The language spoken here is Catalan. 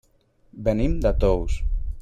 Venim de Tous.